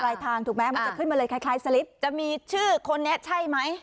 ทางถูกไหมมันจะขึ้นมาเลยคล้ายสลิปจะมีชื่อคนนี้ใช่ไหม